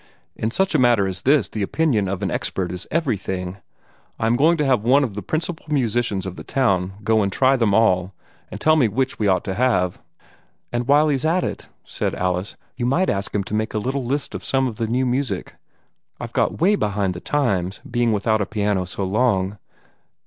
"In such a matter as this, the opinion of an expert is everything. I am going to have one of the principal musicians of the town go and try them all, and tell me which we ought to have." "And while he's about it," said Alice, "you might ask him to make a little list of some of the new music. I've got way behind the times, being without a piano so long.